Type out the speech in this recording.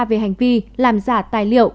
về hành vi làm giả tài liệu